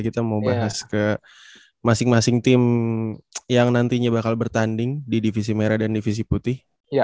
kita mau bahas ke masing masing tim yang nantinya bakal bertanding di divisi merah dan divisi putih